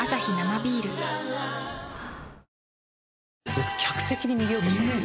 僕客席に逃げようとしたんですよ。